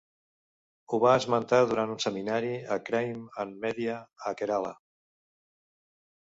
Ho va esmentar durant un seminari a "Crime and Media" a Kerala.